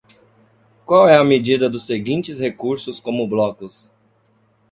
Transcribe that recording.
Qual é a medida dos seguintes recursos como blocos?